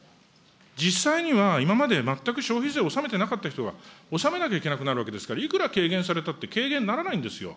実際には、今まで全く消費税を納めてなかった人が納めなきゃいけなくなるわけですから、いくら軽減されたって軽減にならないんですよ。